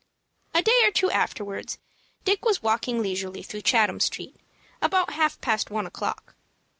A day or two afterwards Dick was walking leisurely through Chatham Street, about half past one o'clock.